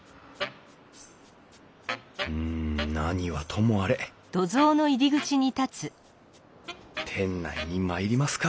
うん何はともあれ店内に参りますか。